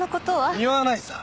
言わないさ。